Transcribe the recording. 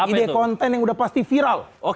ide konten yang udah pasti viral